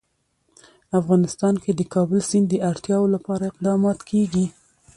افغانستان کې د کابل سیند د اړتیاوو لپاره اقدامات کېږي.